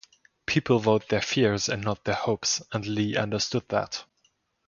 People vote their fears and not their hopes, and Lee understood that.